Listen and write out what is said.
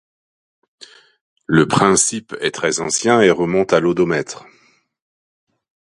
Le principe est très ancien et remonte à l'odomètre.